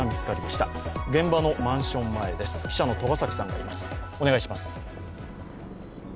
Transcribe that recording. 記者の栂崎さんがいます。